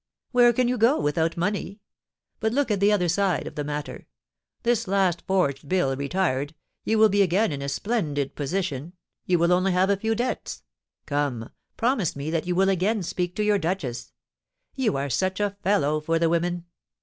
"Where can you go without money? But look at the other side of the matter. This last forged bill retired, you will be again in a splendid position; you will only have a few debts. Come, promise me that you will again speak to your duchess. You are such a fellow for the women!